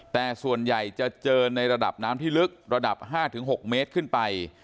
แต่ส่วนใหญ่จะเจอในระดับน้ำที่ลึกระดับ๕๖เมตรขึ้นไป